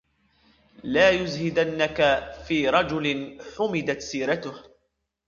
لَا يُزْهِدَنَّكَ فِي رَجُلٍ حُمِدَتْ سِيرَتَهُ